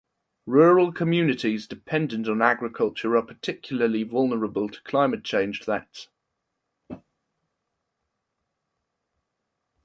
Rural communities dependent on agriculture are particularly vulnerable to climate change threats.